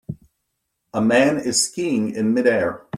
A man is skiing in midair.